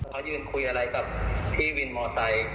เขายืนคุยอะไรกับพี่วินมอไซค์